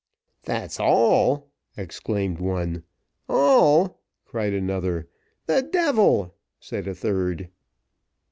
"That's all!" exclaimed one. "All!" cried another. "The devil!" said a third.